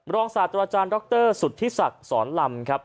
รองศาสตร์ตัวอาจารย์ร็อกเตอร์สุธิศักดิ์สอนลำครับ